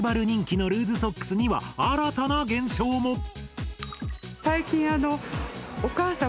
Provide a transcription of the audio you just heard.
人気のルーズソックスには新たな現象も！